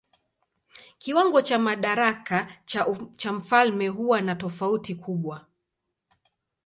Kiwango cha madaraka cha mfalme huwa na tofauti kubwa.